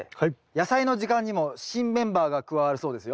「やさいの時間」にも新メンバーが加わるそうですよ。